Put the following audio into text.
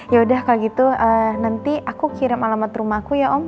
yaudah kalau gitu nanti aku kirim alamat rumahku ya om